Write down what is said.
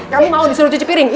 kamu mau disuruh cuci piring